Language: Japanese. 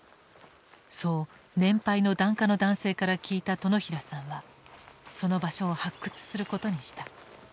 そう年配の檀家の男性から聞いた殿平さんはその場所を発掘することにした。